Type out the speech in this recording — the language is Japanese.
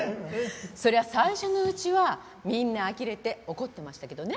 それは最初のうちはみんなあきれて怒ってましたけどね。